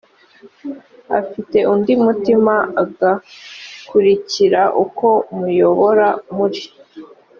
afite undi mutima agakurikira uko muyobora muri